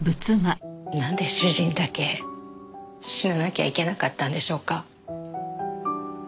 なんで主人だけ死ななきゃいけなかったんでしょうか。